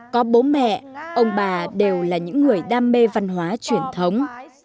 có bố mẹ ông bà đều là những người đam mê văn hóa truyền thống